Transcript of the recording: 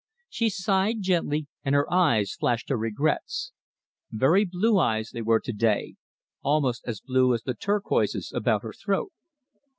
She sighed gently, and her eyes flashed her regrets. Very blue eyes they were to day, almost as blue as the turquoises about her throat.